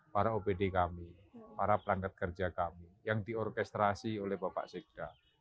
para obd kami para pelangkat kerja kami yang diorkestrasi oleh bapak ika